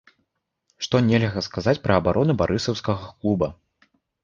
Што нельга сказаць пра абарону барысаўскага клуба.